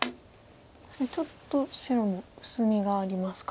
確かにちょっと白も薄みがありますか。